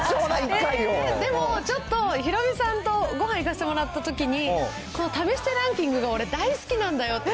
でもちょっと、ヒロミさんとごはん行かせてもらったときに、試してランキングが俺大好きなんだよって。